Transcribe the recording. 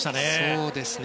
そうですね。